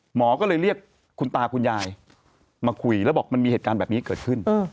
หมอก็เลยเรียกคุณตาคุณยายมาคุยแล้วบอกมันมีเหตุการณ์แบบนี้เกิดขึ้น